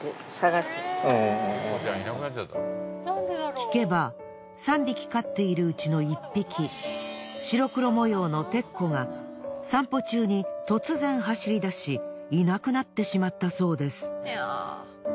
聞けば３匹飼っているうちの１匹白黒模様のテッコが散歩中に突然走り出しいなくなってしまったそうです。